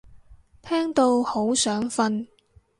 聽到好想瞓